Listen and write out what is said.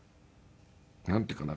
なんていうのかな